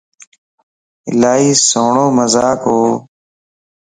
الائي سھڻو مذاق ھو